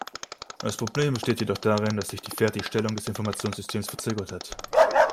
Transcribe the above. Das Problem besteht jedoch darin, dass sich die Fertigstellung des Informationssystems verzögert hat.